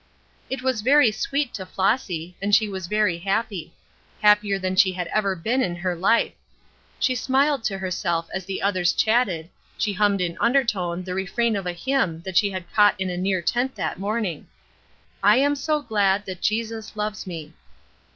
It was very sweet to Flossy, and she was very happy; happier than she had ever been in her life. She smiled to herself as the others chatted, she hummed in undertone the refrain of a hymn that she had caught in a near tent that morning: "I am so glad that Jesus loves me."